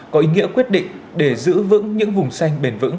có ý nghĩa quyết định để giữ vững những vùng xanh bền vững